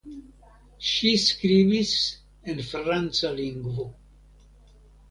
Ŝi skribis en franca lingvo.